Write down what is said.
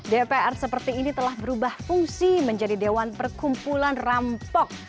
dpr seperti ini telah berubah fungsi menjadi dewan perkumpulan rampok